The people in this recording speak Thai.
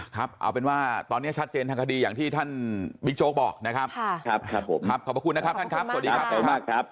ครับเอาเป็นว่าตอนนี้ชัดเจนทางคดีอย่างที่ท่านบิ๊กโจ๊กบอกนะครับครับขอบคุณนะครับท่านครับสวัสดีครับ